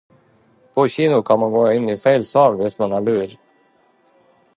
På kino kan man gå inn i feil sal hvis man er lur.